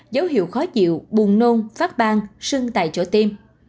dấu hiệu khó chịu buồn nôn phát bang sưng tại chỗ tim